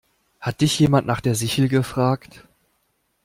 Hat dich jemand nach der Sichel gefragt?